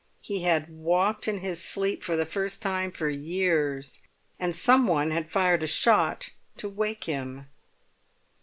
He had walked in his sleep for the first time for years, and some one had fired a shot to wake him.